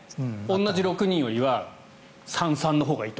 同じ６人よりは３、３のほうがいいと。